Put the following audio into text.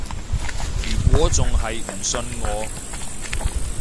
如果仲係唔信我